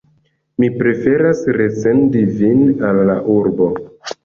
Mi preferas resendi vin al la urbo.